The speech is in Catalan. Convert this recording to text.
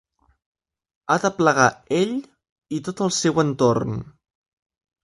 Ha de plegar ell i tot el seu entorn.